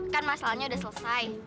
kan masalahnya udah selesai